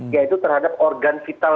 yaitu terhadap organ vital